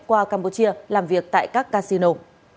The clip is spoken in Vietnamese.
qua campuchia làm việc tại các casino